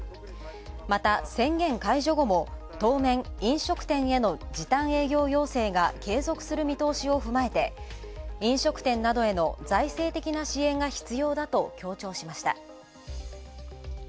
また宣言解除後も飲食短への時短要請営業の継続する見通しを踏まえて飲食店など財政的な支援が必要だと強調しました。